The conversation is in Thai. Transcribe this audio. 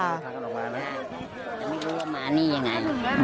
ไม่รู้ว่ามานี่อย่างไร